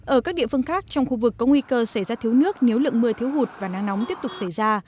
ở các địa phương khác trong khu vực có nguy cơ xảy ra thiếu nước nếu lượng mưa thiếu hụt và nắng nóng tiếp tục xảy ra